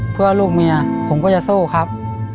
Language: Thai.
เพื่อลูกเมียผมก็จะสู้ครับ